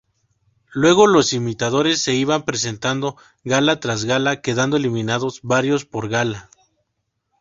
Luego los imitadores se iban presentando gala tras gala, quedando eliminados varios por gala.